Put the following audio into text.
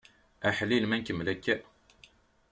Aḥlil ma nkemmel akka!